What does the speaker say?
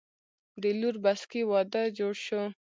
د لور بسکي وادۀ جوړ شو